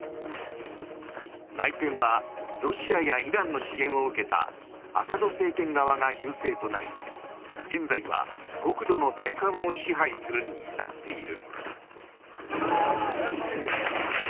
内戦はロシアやイランの支援を受けたアサド政権側が優勢となり現在は国土の大半を支配するに至っている。